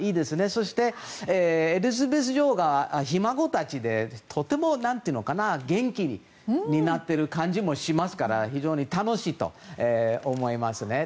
そしてエリザベス女王がひ孫たちでとても元気になってる感じもしますから非常に楽しいと思いますね。